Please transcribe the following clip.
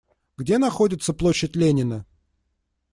Где находится площадь Ленина?